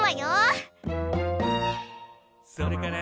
「それから」